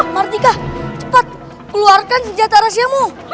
martika cepat keluarkan senjata rahasiamu